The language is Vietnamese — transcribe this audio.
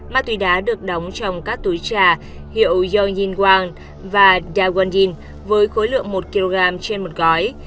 ma túy đá được đóng trong các túi trà hiệu yoyin wang và daewonjin với khối lượng một kg trên một gói